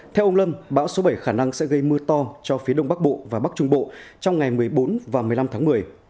theo ông lâm bão số bảy khả năng sẽ gây mưa to cho phía đông bắc bộ và bắc trung bộ trong ngày một mươi bốn và một mươi năm tháng một mươi